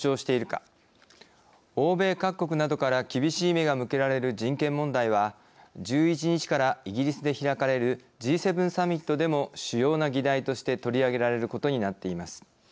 欧米各国などから厳しい目が向けられる人権問題は１１日からイギリスで開かれるＧ７サミットでも主要な議題として取り上げられることになっています。